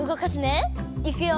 いくよ！